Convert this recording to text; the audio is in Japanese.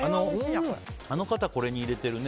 あの方、これに入れているね。